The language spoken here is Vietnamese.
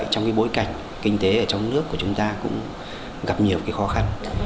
trong cái bối cảnh kinh tế ở trong nước của chúng ta cũng gặp nhiều cái khó khăn